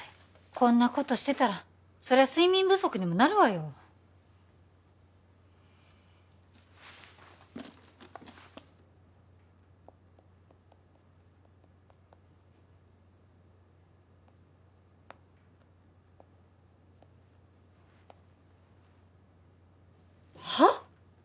こんなことしてたらそりゃ睡眠不足にもなるわよはっ？